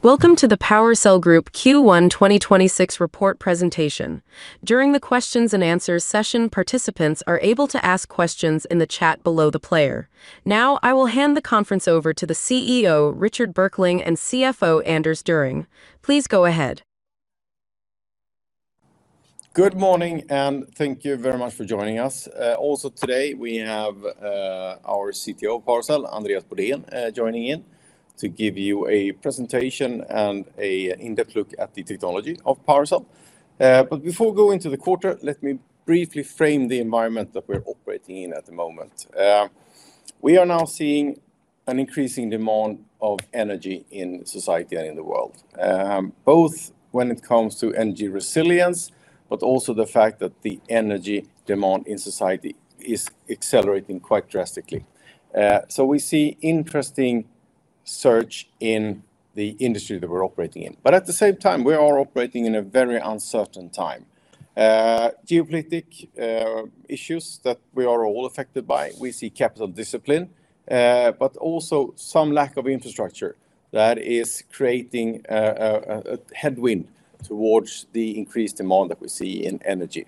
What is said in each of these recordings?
Welcome to the PowerCell Group Q1 2026 Report Presentation. During the questions and answers session, participants are able to ask questions in the chat below the player. Now, I will hand the conference over to the CEO, Richard Berkling, and CFO, Anders Düring. Please go ahead. Good morning, and thank you very much for joining us. Also today, we have our CTO of PowerCell, Andreas Bodén, joining in to give you a presentation and an in-depth look at the technology of PowerCell. Before we go into the quarter, let me briefly frame the environment that we're operating in at the moment. We are now seeing an increasing demand of energy in society and in the world, both when it comes to energy resilience, but also the fact that the energy demand in society is accelerating quite drastically. We see interesting surge in the industry that we're operating in. At the same time, we are operating in a very uncertain time, geopolitical issues that we are all affected by. We see capital discipline, but also some lack of infrastructure that is creating a headwind towards the increased demand that we see in energy.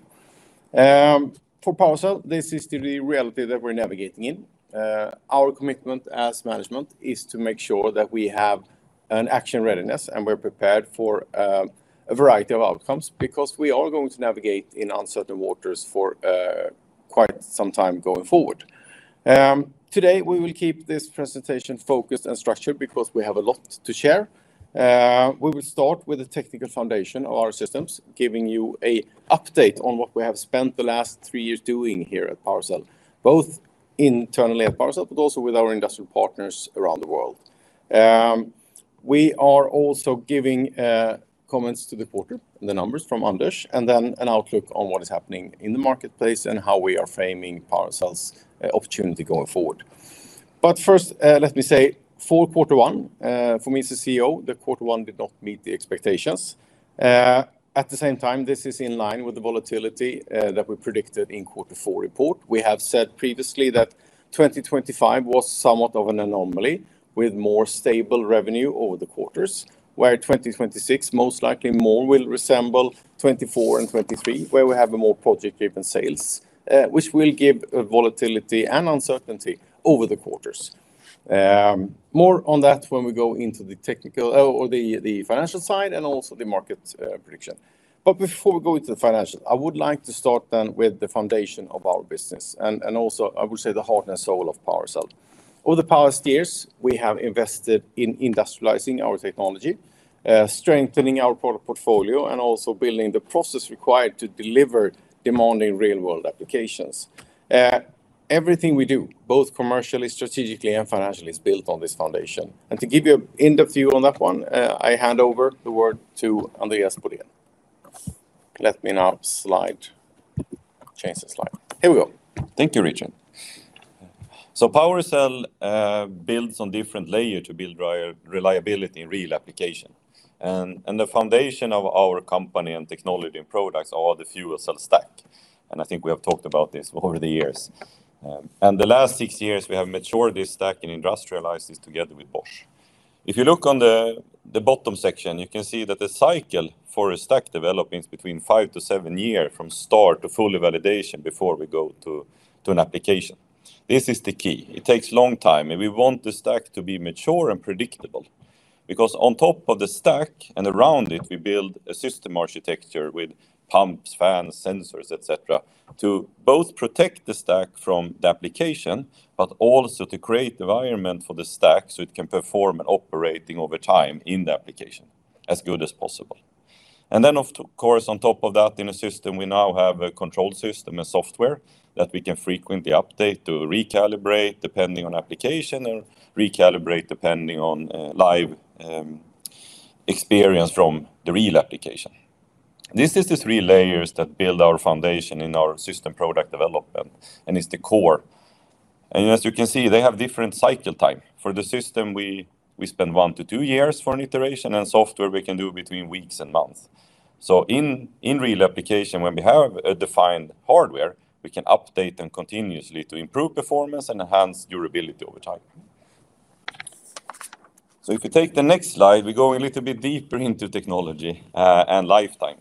For PowerCell, this is the reality that we're navigating in. Our commitment as management is to make sure that we have an action readiness and we're prepared for a variety of outcomes because we are going to navigate in uncertain waters for quite some time going forward. Today, we will keep this presentation focused and structured because we have a lot to share. We will start with the technical foundation of our systems, giving you an update on what we have spent the last three years doing here at PowerCell, both internally at PowerCell, but also with our industrial partners around the world. We are also giving comments to the quarter, the numbers from Anders, and then an outlook on what is happening in the marketplace and how we are framing PowerCell's opportunity going forward. First, let me say for quarter one, for me as the CEO, the quarter one did not meet the expectations. At the same time, this is in line with the volatility that we predicted in quarter four report. We have said previously that 2025 was somewhat of an anomaly with more stable revenue over the quarters, where 2026 most likely more will resemble 2024 and 2023, where we have a more project-driven sales, which will give volatility and uncertainty over the quarters. More on that when we go into the financial side and also the market prediction. Before we go into the financial, I would like to start then with the foundation of our business and also I would say the heart and soul of PowerCell. Over the past years, we have invested in industrializing our technology, strengthening our product portfolio, and also building the process required to deliver demanding real-world applications. Everything we do, both commercially, strategically, and financially, is built on this foundation. To give you an in-depth view on that one, I hand over the word to Andreas Bodén. Let me now change the slide. Here we go. Thank you, Richard. PowerCell builds on different layers to build reliability in real application. The foundation of our company and technology and products are the fuel cell stack, and I think we have talked about this over the years. The last six years, we have matured this stack and industrialized this together with Bosch. If you look on the bottom section, you can see that the cycle for a stack development is between five to seven years from start to full validation before we go to an application. This is the key. It takes a long time, and we want the stack to be mature and predictable, because on top of the stack and around it, we build a system architecture with pumps, fans, sensors, et cetera, to both protect the stack from the application, but also to create the environment for the stack so it can perform and operating over time in the application as good as possible. Then, of course, on top of that, in a system, we now have a control system and software that we can frequently update to recalibrate depending on application or recalibrate depending on live experience from the real application. This is the three layers that build our foundation in our system product development, and it's the core. As you can see, they have different cycle time. For the system, we spend one-two years for an iteration, and software we can do between weeks and months. In real application, when we have a defined hardware, we can update them continuously to improve performance and enhance durability over time. If you take the next slide, we go a little bit deeper into technology and lifetime.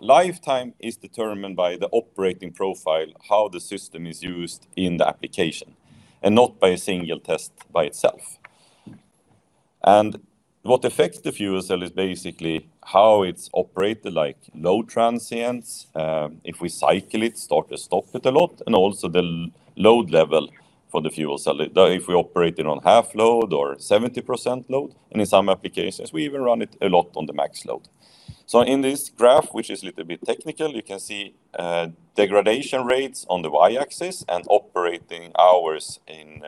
Lifetime is determined by the operating profile, how the system is used in the application, and not by a single test by itself. What affects the fuel cell is basically how it's operated, like load transients, if we cycle it, start to stop it a lot, and also the load level for the fuel cell, if we operate it on half load or 70% load, and in some applications, we even run it a lot on the max load. In this graph, which is a little bit technical, you can see degradation rates on the Y-axis and operating hours on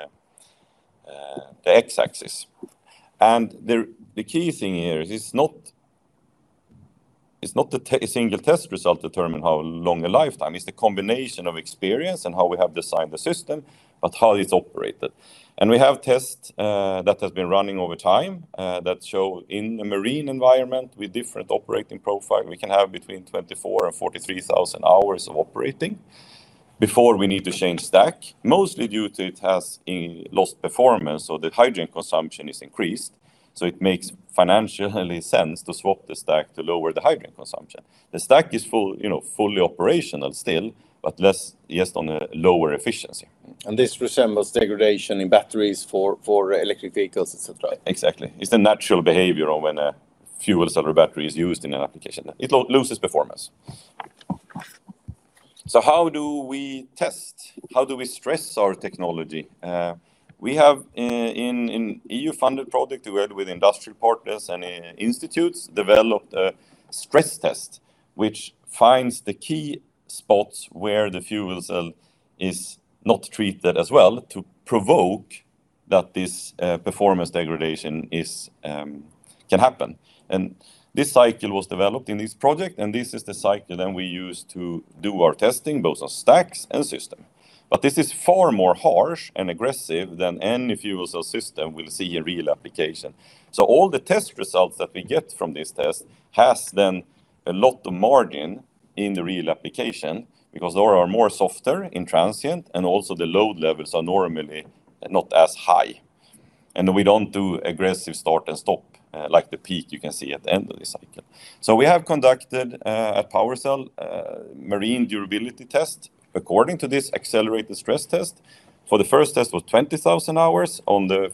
the X-axis. The key thing here is it's not the single test result that determines how long a lifetime. It's the combination of experience and how we have designed the system, but how it's operated. We have tests that have been running over time, that show in a marine environment with different operating profile, we can have between 24,000 and 43,000 hours of operating before we need to change stack, mostly due to it has lost performance, so the hydrogen consumption is increased. It makes financial sense to swap the stack to lower the hydrogen consumption. The stack is fully operational still, but just on a lower efficiency. This resembles degradation in batteries for electric vehicles, et cetera. Exactly. It's the natural behavior of when a fuel cell or battery is used in an application. It loses performance. How do we test? How do we stress our technology? We have, in EU-funded project, together with industry partners and institutes, developed a stress test which finds the key spots where the fuel cell is not treated as well to provoke that this performance degradation can happen. This cycle was developed in this project, and this is the cycle then we use to do our testing, both on stacks and system. This is far more harsh and aggressive than any fuel cell system we'll see in real application. All the test results that we get from this test has then a lot of margin in the real application because there are more softer in transient, and also the load levels are normally not as high. We don't do aggressive start and stop, like the peak you can see at the end of the cycle. We have conducted a PowerCell marine durability test according to this accelerated stress test. The first test was 20,000 hours on the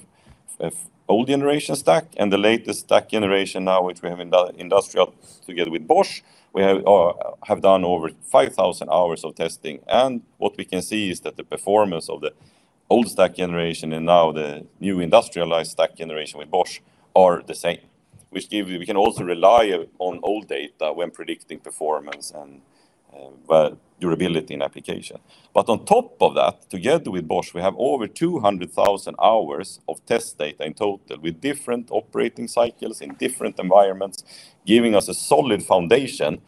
old generation stack, and the latest stack generation now, which we have industrialized together with Bosch, we have done over 5,000 hours of testing. What we can see is that the performance of the old stack generation and now the new industrialized stack generation with Bosch are the same. Which we can also rely on old data when predicting performance and durability in application. On top of that, together with Bosch, we have over 200,000 hours of test data in total with different operating cycles in different environments, giving us a solid foundation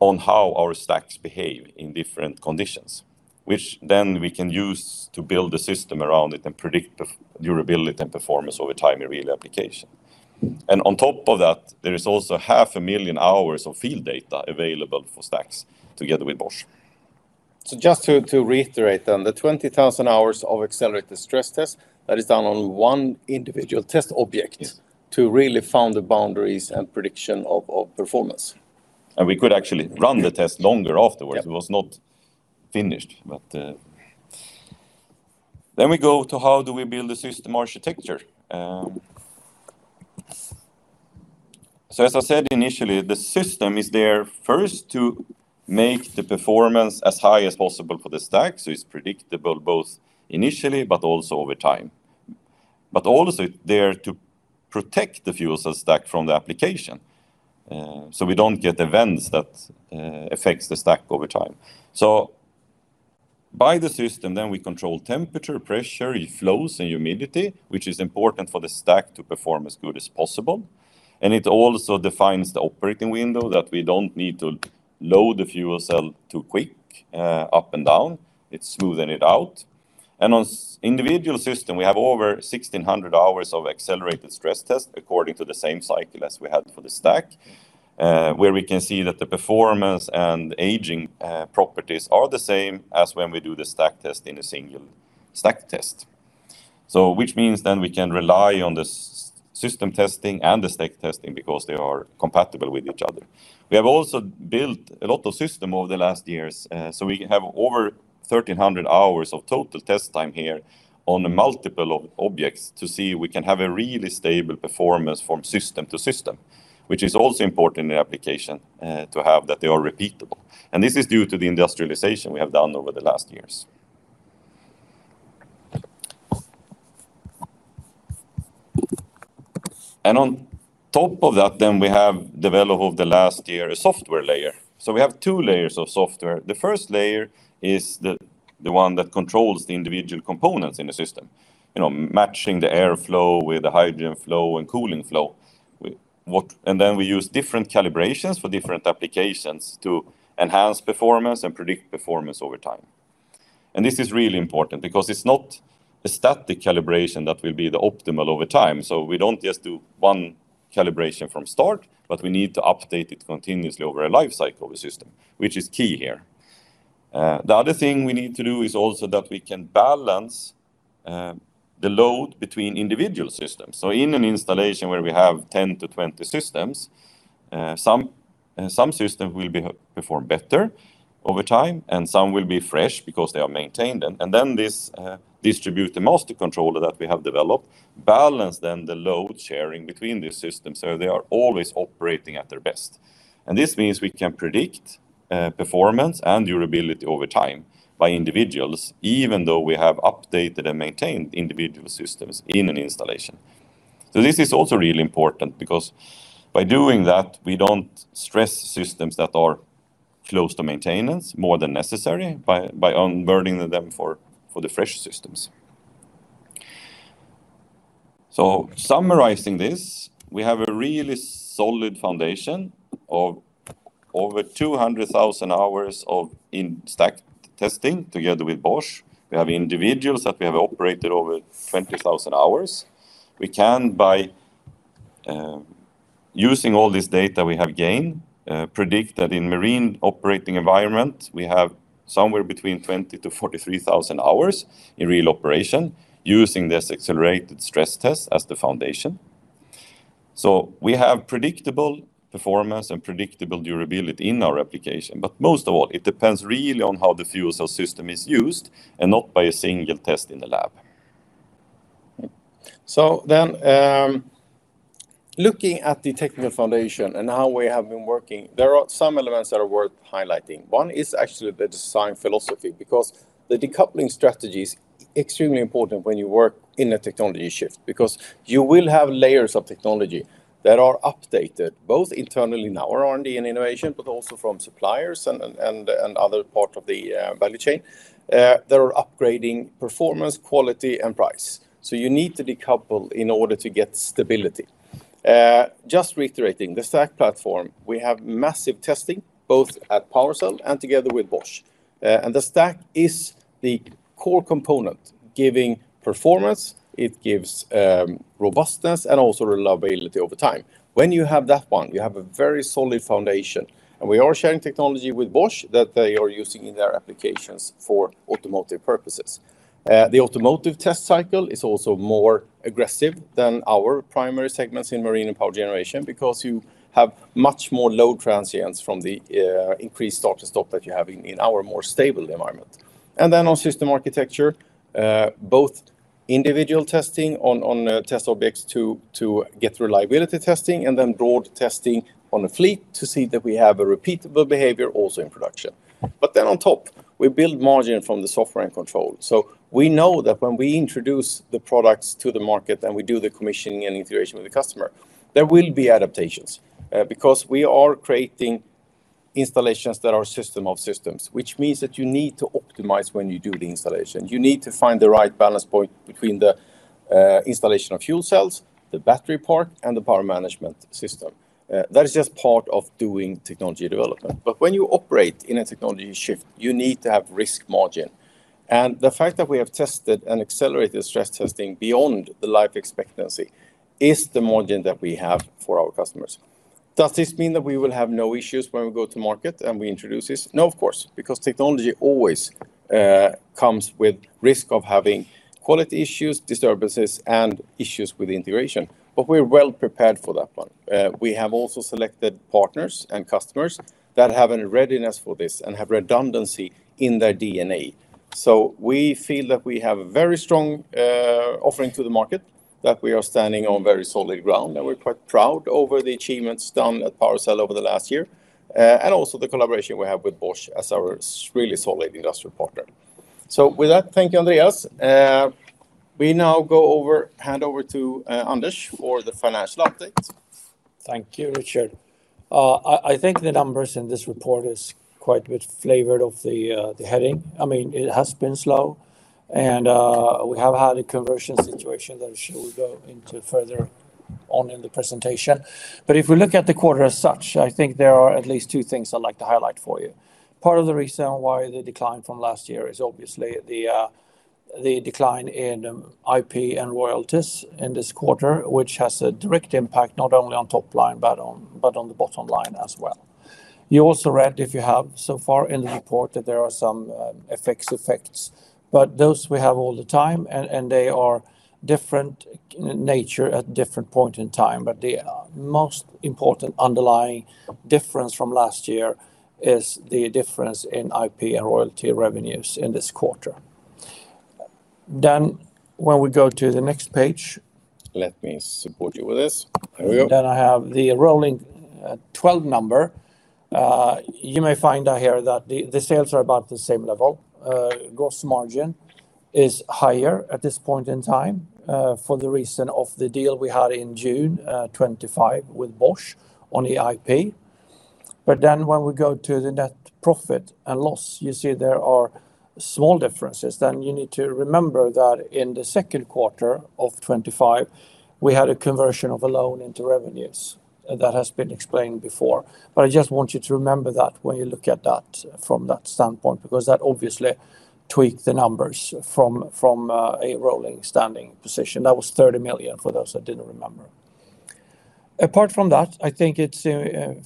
on how our stacks behave in different conditions. Which then we can use to build a system around it and predict the durability and performance over time in real application. On top of that, there is also 500,000 hours of field data available for stacks together with Bosch. Just to reiterate, the 20,000 hours of accelerated stress test, that is done on one individual test object to really find the boundaries and prediction of performance. We could actually run the test longer afterwards. Yeah. It was not finished. We go to how do we build a system architecture? As I said initially, the system is there first to make the performance as high as possible for the stack, so it's predictable both initially but also over time. Also there to protect the fuel cell stack from the application. We don't get events that affects the stack over time. By the system, then we control temperature, pressure, flow in humidity, which is important for the stack to perform as good as possible. It also defines the operating window that we don't need to load the fuel cell too quick up and down. It's smoothing it out. On an individual system, we have over 1,600 hours of accelerated stress test according to the same cycle as we had for the stack, where we can see that the performance and aging properties are the same as when we do the stack test in a single stack test. Which means then we can rely on the system testing and the stack testing because they are compatible with each other. We have also built a lot of systems over the last years. We have over 1,300 hours of total test time here on multiple objects to see we can have a really stable performance from system to system, which is also important in the application to have that they are repeatable. This is due to the industrialization we have done over the last years. On top of that then, we have developed over the last year a software layer. We have two layers of software. The first layer is the one that controls the individual components in the system, matching the airflow with the hydrogen flow and cooling flow. We use different calibrations for different applications to enhance performance and predict performance over time. This is really important because it's not a static calibration that will be the optimal over time. We don't just do one calibration from start, but we need to update it continuously over a life cycle of a system, which is key here. The other thing we need to do is also that we can balance the load between individual systems. In an installation where we have 10-20 systems, some systems will perform better over time, and some will be fresh because they are maintained. This distributed master controller that we have developed balances the load sharing between these systems so they are always operating at their best. This means we can predict performance and durability over time of individual, even though we have updated and maintained individual systems in an installation. This is also really important because by doing that, we don't stress systems that are close to maintenance more than necessary by unburdening them for the fresh systems. Summarizing this, we have a really solid foundation of over 200,000 hours of in-stack testing together with Bosch. We have individuals that we have operated over 20,000 hours. We can by, using all this data we have gained, we predict that in marine operating environment, we have somewhere between 20,000-43,000 hours in real operation using this accelerated stress test as the foundation. We have predictable performance and predictable durability in our application. Most of all, it depends really on how the fuel cell system is used and not by a single test in the lab. Looking at the technical foundation and how we have been working, there are some elements that are worth highlighting. One is actually the design philosophy, because the decoupling strategy is extremely important when you work in a technology shift. Because you will have layers of technology that are updated both internally in our R&D and innovation, but also from suppliers and other part of the value chain, that are upgrading performance, quality, and price. You need to decouple in order to get stability. Just reiterating, the stack platform, we have massive testing both at PowerCell and together with Bosch. The stack is the core component giving performance, it gives robustness and also reliability over time. When you have that one, you have a very solid foundation, and we are sharing technology with Bosch that they are using in their applications for automotive purposes. The automotive test cycle is also more aggressive than our primary segments in marine and power generation because you have much more load transients from the increased start to stop that you have in our more stable environment. On system architecture, both individual testing on test objects to get reliability testing and then broad testing on the fleet to see that we have a repeatable behavior also in production. On top, we build margin from the software and control. We know that when we introduce the products to the market and we do the commissioning and integration with the customer, there will be adaptations. Because we are creating installations that are system of systems, which means that you need to optimize when you do the installation. You need to find the right balance point between the installation of fuel cells, the battery part, and the power management system. That is just part of doing technology development. When you operate in a technology shift, you need to have risk margin. The fact that we have tested and accelerated stress testing beyond the life expectancy is the margin that we have for our customers. Does this mean that we will have no issues when we go to market and we introduce this? No, of course, because technology always comes with risk of having quality issues, disturbances, and issues with integration. We're well prepared for that one. We have also selected partners and customers that have a readiness for this and have redundancy in their DNA. We feel that we have a very strong offering to the market, that we are standing on very solid ground, and we're quite proud over the achievements done at PowerCell over the last year. Also the collaboration we have with Bosch as our really solid industrial partner. With that, thank you, Andreas. We now hand over to Anders for the financial update. Thank you, Richard. I think the numbers in this report is quite a bit flavored of the heading. It has been slow, and we have had a conversion situation that I'm sure we'll go into further on in the presentation. If we look at the quarter as such, I think there are at least two things I'd like to highlight for you. Part of the reason why the decline from last year is obviously the decline in IP and royalties in this quarter, which has a direct impact not only on top line, but on the bottom line as well. You also read, if you have so far in the report, that there are some FX effects, but those we have all the time, and they are different in nature at different point in time. The most important underlying difference from last year is the difference in IP and royalties revenues in this quarter. When we go to the next page. Let me support you with this. There we go. I have the rolling 12 number. You may find out here that the sales are about the same level. Gross margin is higher at this point in time, for the reason of the deal we had in June 2025 with Bosch on the IP. When we go to the net profit and loss, you see there are small differences. You need to remember that in the second quarter of 2025, we had a conversion of a loan into revenues. That has been explained before. I just want you to remember that when you look at that from that standpoint, because that obviously tweaked the numbers from a rolling standing position. That was 30 million for those that didn't remember. Apart from that, I think it's,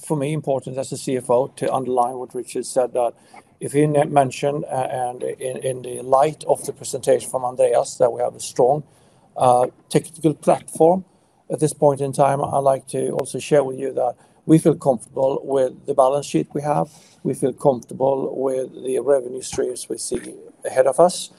for me, important as a CFO to underline what Richard said, that if he mentioned, and in the light of the presentation from Andreas, that we have a strong technical platform. At this point in time, I'd like to also share with you that we feel comfortable with the balance sheet we have. We feel comfortable with the revenue streams we see ahead of us,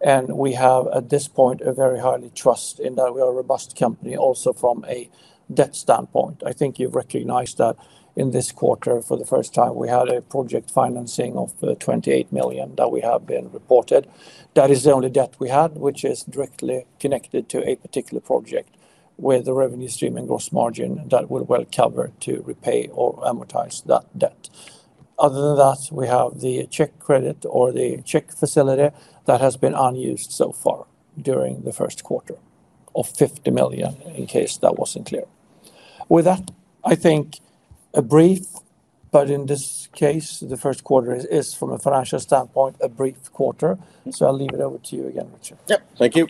and we have, at this point, a very high trust in that we are a robust company also from a debt standpoint. I think you've recognized that in this quarter, for the first time, we had a project financing of 28 million that we have reported. That is the only debt we had, which is directly connected to a particular project with the revenue stream and gross margin that will well cover to repay or amortize that debt. Other than that, we have the revolving credit facility that has been unused so far during the first quarter of 50 million, in case that wasn't clear. With that, I think in this case, the first quarter is, from a financial standpoint, a brief quarter. I'll hand it over to you again, Richard. Yep. Thank you.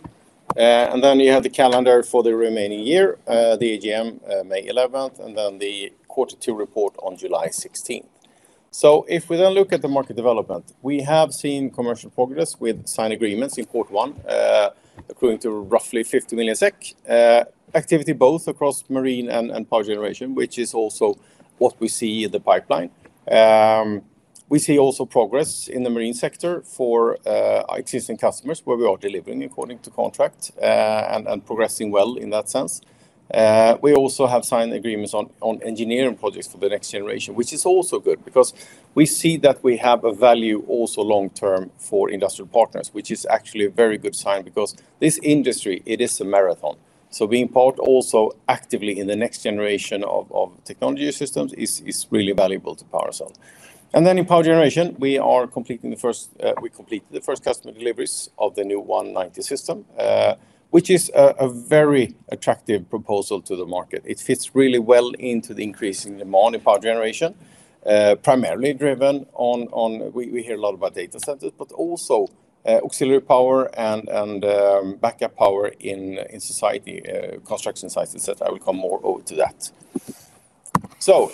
You have the calendar for the remaining year, the AGM, May 11th, and the quarter two report on July 16th. If we look at the market development, we have seen commercial progress with signed agreements in quarter one, accruing to roughly 50 million SEK. Activity both across marine and power generation, which is also what we see in the pipeline. We see also progress in the marine sector for existing customers, where we are delivering according to contract and progressing well in that sense. We also have signed agreements on engineering projects for the next generation, which is also good because we see that we have a value also long-term for industrial partners, which is actually a very good sign because this industry, it is a marathon. Being part also actively in the next generation of technology systems is really valuable to PowerCell. In power generation, we completed the first customer deliveries of the new 190 system, which is a very attractive proposal to the market. It fits really well into the increase in demand of power generation, primarily driven by, we hear a lot about data centers, but also auxiliary power and backup power in society, construction sites, et cetera. I will come more over to that.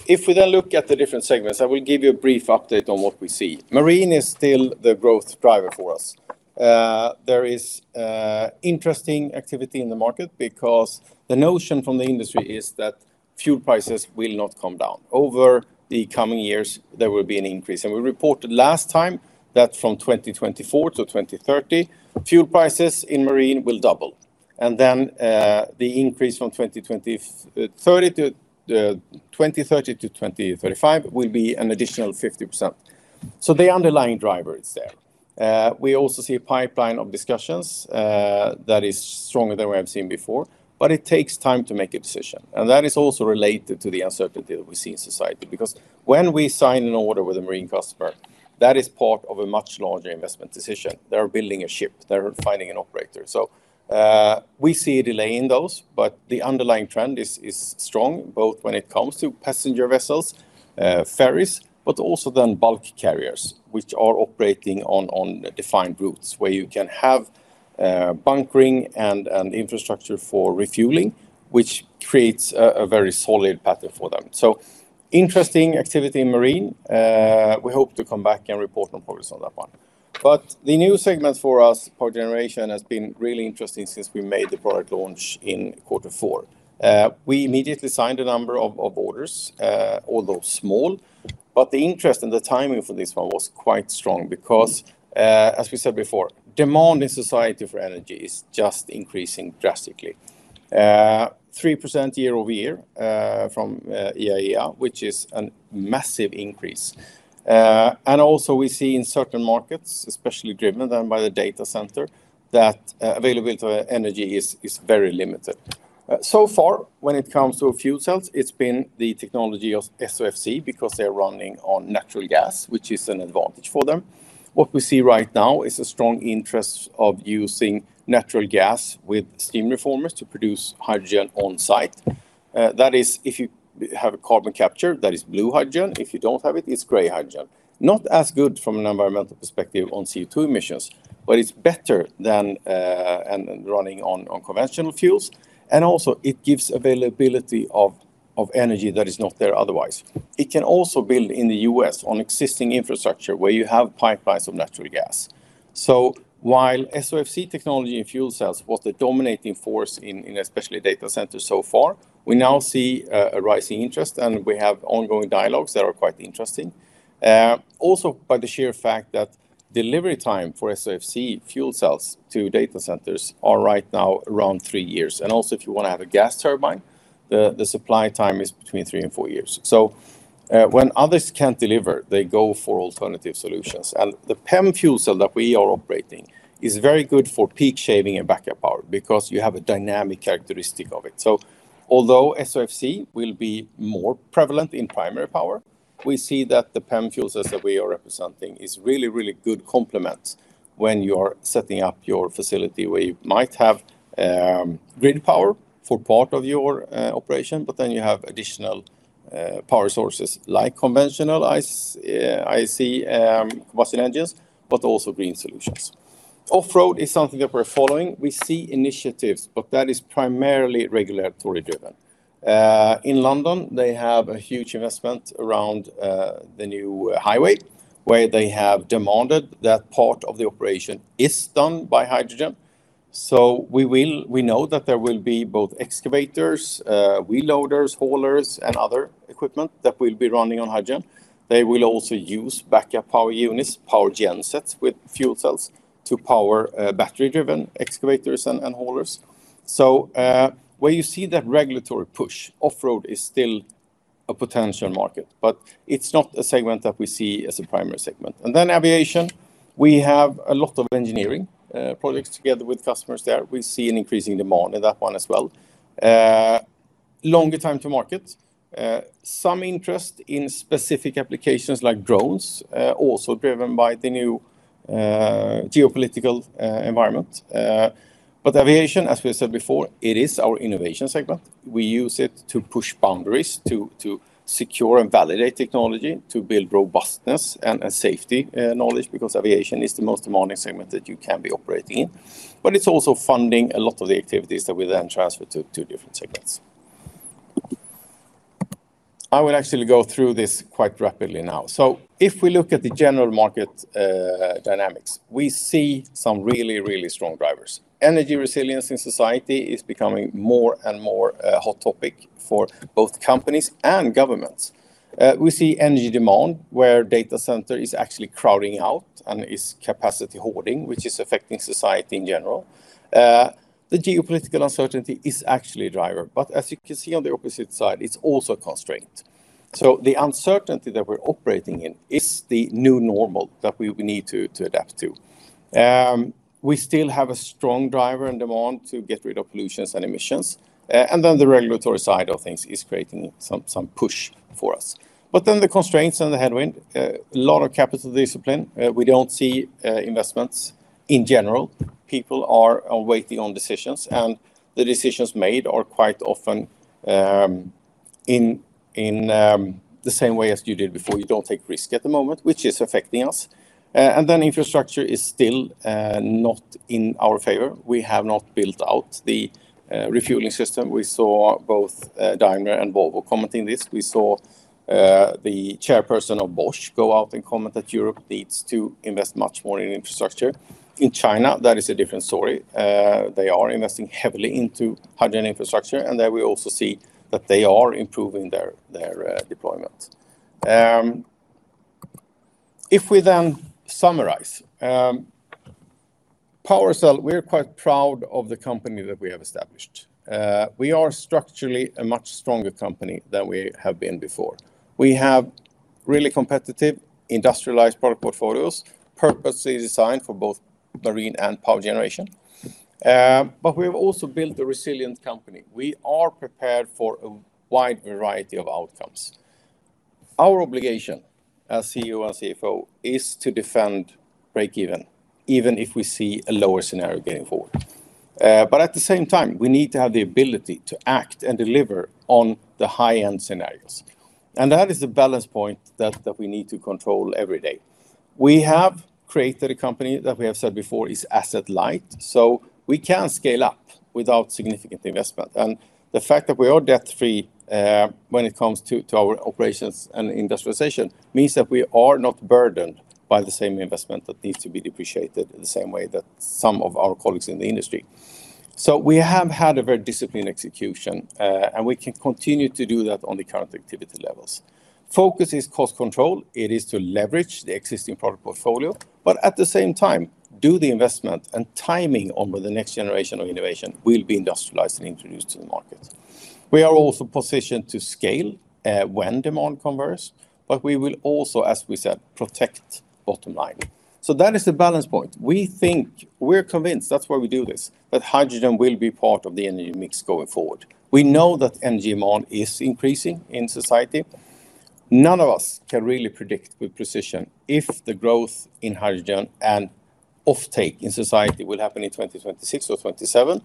If we look at the different segments, I will give you a brief update on what we see. Marine is still the growth driver for us. There is interesting activity in the market because the notion from the industry is that fuel prices will not come down. Over the coming years, there will be an increase. We reported last time that from 2024 to 2030, fuel prices in marine will double. The increase from 2030 to 2035 will be an additional 50%. The underlying driver is there. We also see a pipeline of discussions that is stronger than we have seen before, but it takes time to make a decision. That is also related to the uncertainty that we see in society. Because when we sign an order with a marine customer, that is part of a much larger investment decision. They're building a ship, they're finding an operator. We see a delay in those, but the underlying trend is strong, both when it comes to passenger vessels, ferries, but also then bulk carriers, which are operating on defined routes where you can have bunkering and infrastructure for refueling, which creates a very solid pattern for them. Interesting activity in marine. We hope to come back and report on progress on that one. The new segment for us, power generation, has been really interesting since we made the product launch in quarter four. We immediately signed a number of orders, although small, but the interest and the timing for this one was quite strong because, as we said before, demand in society for energy is just increasing drastically. 3% year-over-year, from IEA, which is a massive increase. We see in certain markets, especially driven by the data center, that availability of energy is very limited. So far when it comes to fuel cells, it's been the technology of SOFC because they're running on natural gas, which is an advantage for them. What we see right now is a strong interest of using natural gas with steam reformers to produce hydrogen on site. That is, if you have a carbon capture, that is blue hydrogen. If you don't have it's gray hydrogen, not as good from an environmental perspective on CO2 emissions, but it's better than running on conventional fuels. Also it gives availability of energy that is not there otherwise. It can also build in the U.S. on existing infrastructure where you have pipelines of natural gas. While SOFC technology and fuel cells was the dominating force in especially data centers so far, we now see a rising interest, and we have ongoing dialogues that are quite interesting. Also by the sheer fact that delivery time for SOFC fuel cells to data centers are right now around three years. Also if you want to have a gas turbine, the supply time is between three and four years. When others can't deliver, they go for alternative solutions. The PEM fuel cell that we are operating is very good for peak shaving and backup power because you have a dynamic characteristic of it. Although SOFC will be more prevalent in primary power, we see that the PEM fuel cells that we are representing is really, really good complement when you are setting up your facility where you might have grid power for part of your operation, but then you have additional power sources like conventional internal combustion engine, but also green solutions. Off-road is something that we're following. We see initiatives, but that is primarily regulatory driven. In London, they have a huge investment around the new highway where they have demanded that part of the operation is done by hydrogen. We know that there will be both excavators, wheel loaders, haulers, and other equipment that will be running on hydrogen. They will also use backup power units, power gen sets with fuel cells to power battery-driven excavators and haulers. Where you see that regulatory push, off-road is still a potential market, but it's not a segment that we see as a primary segment. Aviation, we have a lot of engineering projects together with customers there. We see an increase in demand in that one as well. Longer time to market. Some interest in specific applications like drones, also driven by the new geopolitical environment. Aviation, as we said before, it is our innovation segment. We use it to push boundaries, to secure and validate technology, to build robustness and safety knowledge because aviation is the most demanding segment that you can be operating in. It's also funding a lot of the activities that we then transfer to different segments. I will actually go through this quite rapidly now. If we look at the general market dynamics, we see some really, really strong drivers. Energy resilience in society is becoming more and more a hot topic for both companies and governments. We see energy demand where data center is actually crowding out and is capacity hoarding, which is affecting society in general. The geopolitical uncertainty is actually a driver, but as you can see on the opposite side, it's also a constraint. The uncertainty that we're operating in is the new normal that we need to adapt to. We still have a strong driver and demand to get rid of pollution and emissions. The regulatory side of things is creating some push for us. The constraints and the headwind, a lot of capital discipline, we don't see investments in general. People are waiting on decisions, and the decisions made are quite often in the same way as you did before. You don't take risk at the moment, which is affecting us. Infrastructure is still not in our favor. We have not built out the refueling system. We saw both Daimler and Volvo commenting this. We saw the chairperson of Bosch go out and comment that Europe needs to invest much more in infrastructure. In China, that is a different story. They are investing heavily into hydrogen infrastructure, and there we also see that they are improving their deployment. If we then summarize. PowerCell, we're quite proud of the company that we have established. We are structurally a much stronger company than we have been before. We have really competitive industrialized product portfolios, purposely designed for both marine and power generation. We have also built a resilient company. We are prepared for a wide variety of outcomes. Our obligation as CEO and CFO is to defend break even if we see a lower scenario going forward. At the same time, we need to have the ability to act and deliver on the high-end scenarios. That is the balance point that we need to control every day. We have created a company that we have said before is asset-light, so we can scale up without significant investment. The fact that we are debt free when it comes to our operations and industrialization means that we are not burdened by the same investment that needs to be depreciated in the same way that some of our colleagues in the industry. We have had a very disciplined execution, and we can continue to do that on the current activity levels. Focus is cost control. It is to leverage the existing product portfolio, but at the same time, do the investment and timing on when the next generation of innovation will be industrialized and introduced to the market. We are also positioned to scale when demand converts, but we will also, as we said, protect bottom line. That is the balance point. We're convinced, that's why we do this, that hydrogen will be part of the energy mix going forward. We know that energy demand is increasing in society. None of us can really predict with precision if the growth in hydrogen and offtake in society will happen in 2026 or 2027.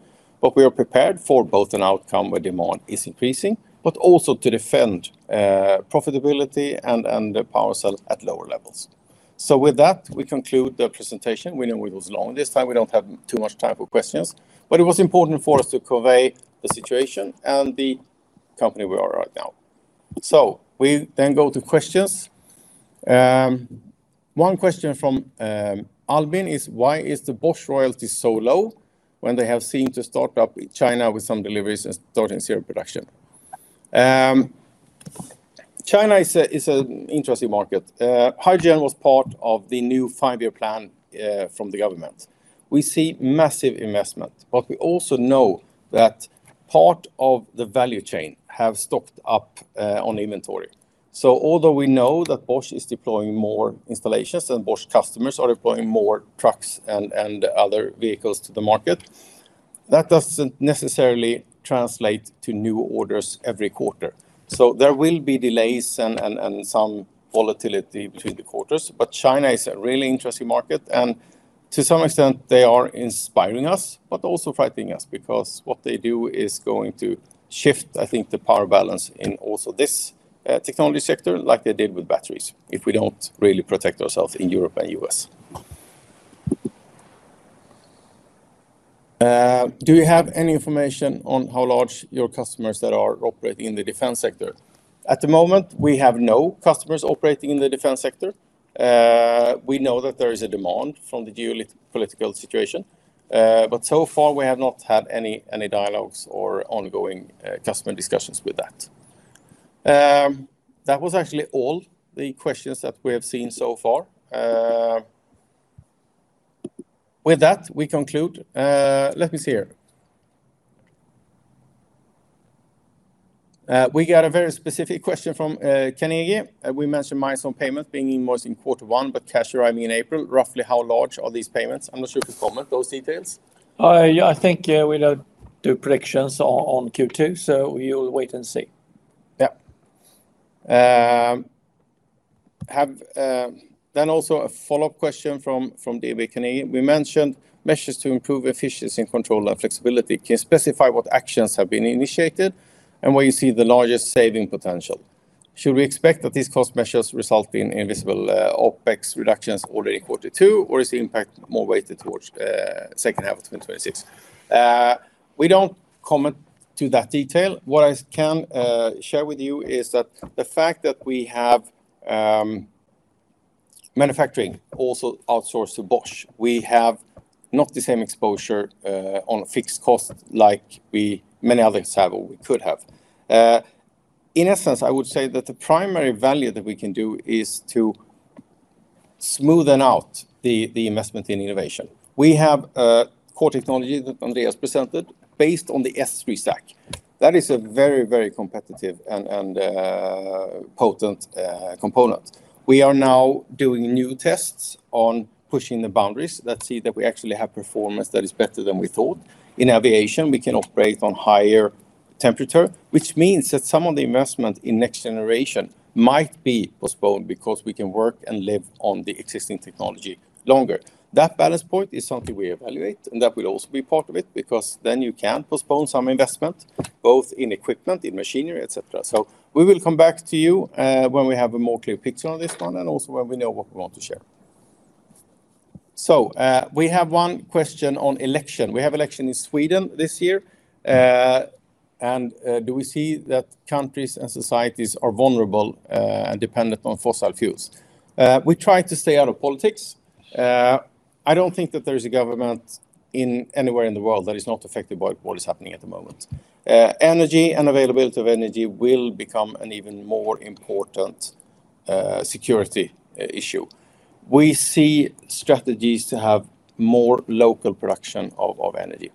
We are prepared for both an outcome where demand is increasing, but also to defend profitability and PowerCell at lower levels. With that, we conclude the presentation. We know it was long this time. We don't have too much time for questions, but it was important for us to convey the situation and the company we are right now. We then go to questions. One question from Albin is, "Why is the Bosch royalty so low when they have seemed to start up in China with some deliveries and start in serial production?" China is an interesting market. Hydrogen was part of the new five-year plan from the government. We see massive investment, but we also know that part of the value chain have stocked up on inventory. Although we know that Bosch is deploying more installations and Bosch customers are deploying more trucks and other vehicles to the market, that doesn't necessarily translate to new orders every quarter. There will be delays and some volatility between the quarters. China is a really interesting market, and to some extent they are inspiring us, but also frightening us because what they do is going to shift, I think, the power balance in also this technology sector like they did with batteries if we don't really protect ourselves in Europe and U.S. "Do you have any information on how large your customers that are operating in the defense sector?" At the moment, we have no customers operating in the defense sector. We know that there is a demand from the geopolitical situation. So far we have not had any dialogues or ongoing customer discussions with that. That was actually all the questions that we have seen so far. With that, we conclude. Let me see here. We got a very specific question from Kanye. We mentioned milestone payment being invoiced in quarter one, but cash arriving in April. Roughly how large are these payments? I'm not sure if you comment those details. Yeah, I think we don't do predictions on Q2, so you'll wait and see. Yeah, also a follow-up question from DB Kanye. We mentioned measures to improve efficiency and control and flexibility. Can you specify what actions have been initiated and where you see the largest saving potential? Should we expect that these cost measures result in invisible OpEx reductions already in quarter two, or is the impact more weighted towards second half of 2026? We don't comment to that detail. What I can share with you is that the fact that we have manufacturing also outsourced to Bosch, we have not the same exposure on a fixed cost like many others have or we could have. In essence, I would say that the primary value that we can do is to smoothen out the investment in innovation. We have a core technology that Andreas presented based on the S3 stack. That is a very, very competitive and potent component. We are now doing new tests on pushing the boundaries to see that we actually have performance that is better than we thought. In aviation, we can operate on higher temperature, which means that some of the investment in next generation might be postponed because we can work and live on the existing technology longer. That balance point is something we evaluate, and that will also be part of it, because then you can postpone some investment both in equipment, in machinery, et cetera. We will come back to you when we have a more clear picture on this one and also when we know what we want to share. We have one question on election. We have election in Sweden this year. Do we see that countries and societies are vulnerable and dependent on fossil fuels? We try to stay out of politics. I don't think that there is a government anywhere in the world that is not affected by what is happening at the moment. Energy and availability of energy will become an even more important security issue. We see strategies to have more local production of energy.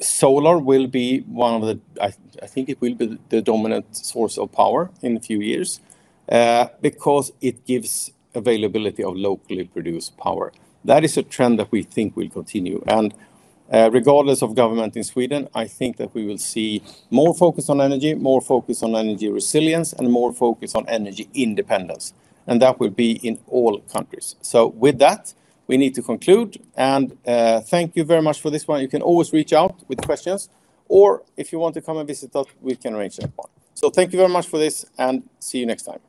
Solar will be one of the, I think it will be the dominant source of power in a few years, because it gives availability of locally produced power. That is a trend that we think will continue. Regardless of government in Sweden, I think that we will see more focus on energy, more focus on energy resilience, and more focus on energy independence. That will be in all countries. With that, we need to conclude. Thank you very much for this one. You can always reach out with questions, or if you want to come and visit us, we can arrange that one. Thank you very much for this, and see you next time.